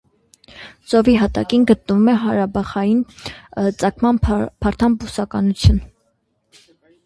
Ծովի հատակին գտնվում է հրաբխային ծագման փարթամ բուսականություն։